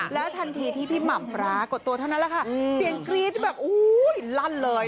แล้วทันทีที่พี่หมับรากดตัวเท่านั้นซีงกรี๊บแบบลั่นเลย